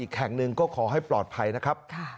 แห่งหนึ่งก็ขอให้ปลอดภัยนะครับ